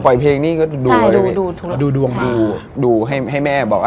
ใช่